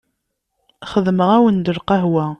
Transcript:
Xedmeɣ-awen-d lqahwa.